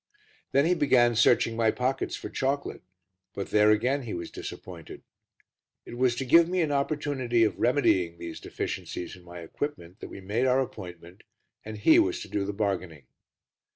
Then he began searching my pockets for chocolate, but there, again, he was disappointed. It was to give me an opportunity of remedying these deficiencies in my equipment that we made our appointment, and he was to do the bargaining.